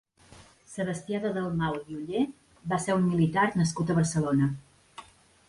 Sebastià de Dalmau i Oller va ser un militar nascut a Barcelona.